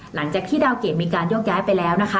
หลังจากที่ดาวเกรดมีการโยกย้ายไปแล้วนะคะ